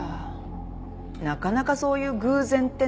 なかなかそういう偶然ってないでしょ？